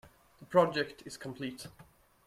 The project is complete.